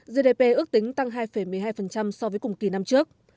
gdp ước tính tăng hai một mươi hai so với cùng kỳ năm trước